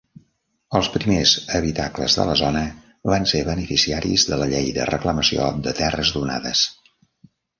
Els primers habitacles de la zona van ser beneficiaris de la Llei de reclamació de terres donades.